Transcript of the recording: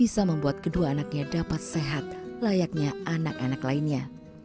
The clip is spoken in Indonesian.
bisa membuat kedua anaknya dapat sehat layaknya anak anak lainnya